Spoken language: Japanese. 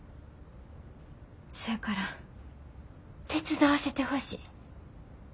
せやから手伝わせてほしい。